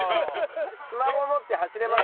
スマホ持って走れます？